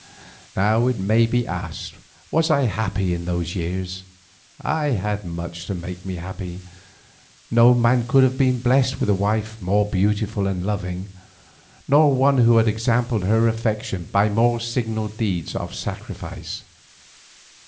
And now it may be asked was I happy in those years? I had much to make me happy—no man could have been blessed with a wife more beautiful and loving, nor one who had exampled her affection by more signal deeds of sacrifice.